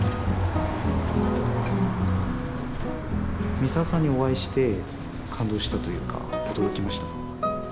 ミサオさんにお会いして感動したというか驚きました。